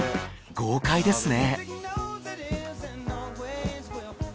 豪快ですね。